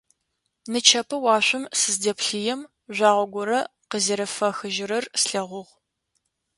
Нычэпэ уашъом сыздэппъыем, жъуагъо горэ къызэрефэхыжьырэр слъэгъугъ.